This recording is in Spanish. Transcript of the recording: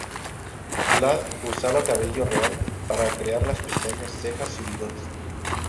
Ladd usaba cabello real para crear las pestañas, cejas y bigotes.